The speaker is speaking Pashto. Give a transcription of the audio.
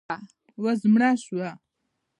وزمړه سوه.